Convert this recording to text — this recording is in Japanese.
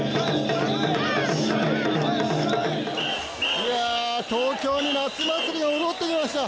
いやー、東京に夏祭りが戻ってきました。